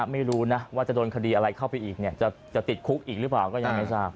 ไม่รู้นะว่าจะโดนคดีอะไรเข้าไปอีกจะติดคุกอีกหรือเปล่าก็ยังไม่ทราบ